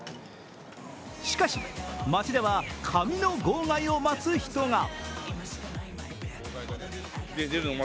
しかし街では紙の号外を待つ人が。